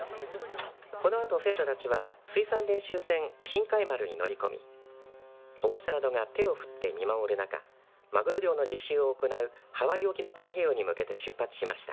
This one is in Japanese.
このあと生徒たちは水産練習船神海丸に乗り込み保護者などが手を振って見守る中マグロ漁の実習を行うハワイ沖の太平洋に向けて出発しました。